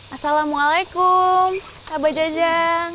assalamualaikum kabar jajang